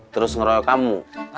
terus ngeroyok kamu